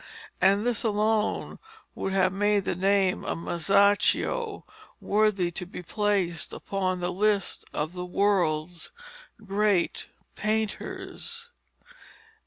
And this alone would have made the name of Masaccio worthy to be placed upon the list of world's great painters.